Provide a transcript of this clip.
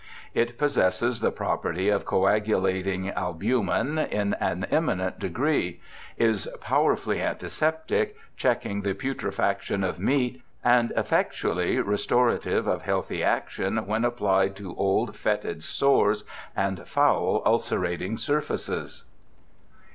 It possesses the property of coagulating albumen, in an eminent degree ; is powerfull\^ antiseptic, checking the putrefaction of meat ; and effectually re storative of healthy action, when applied to old, fetid sores and foul, ulcerating surfaces.'